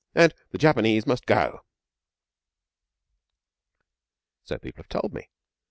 And the Japanese must go.' 'So people have told me.